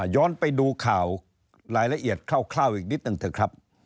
ไปดูข่าวรายละเอียดคร่าวอีกนิดนึงเถอะครับ